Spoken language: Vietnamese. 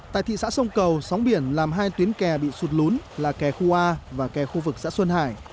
tại thị xã sông cầu sóng biển làm hai tuyến kè bị sụt lún là kè khu a và kè khu vực xã xuân hải